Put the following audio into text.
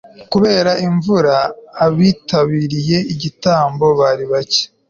kubera imvura, abitabiriye igitaramo bari bake